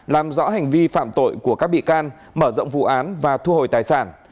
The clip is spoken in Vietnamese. làm rõ hành vi phạm tội của các bị can mở rộng vụ án và thu hồi tài sản